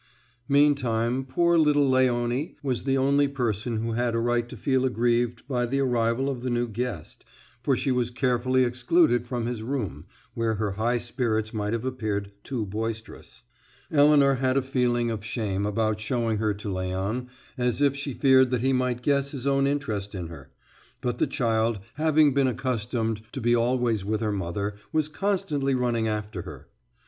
X Meantime, poor little Léonie was the only person who had a right to feel aggrieved by the arrival of the new guest, for she was carefully excluded from his room, where her high spirits might have appeared too boisterous. Elinor had a feeling of shame about showing her to Léon, as if she feared that he might guess his own interest in her; but the child, having been accustomed to be always with her mother, was constantly running after her.